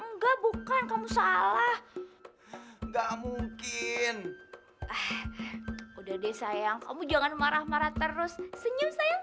enggak bukan kamu salah enggak mungkin udah deh sayang kamu jangan marah marah terus senyum saya